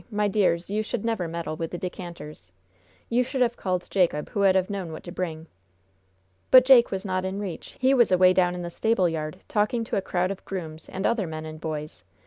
My dears, you should never meddle with the decanters. You should have called Jacob, who would have known what to bring." "But Jake was not in reach. He was away down in the stable yard, talking to a crowd of grooms and other men and boys.